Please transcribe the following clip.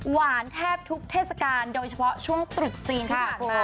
หวานแทบทุกเทศกาณฑ์โดยเฉพาะช่วงตรุจจีนครับ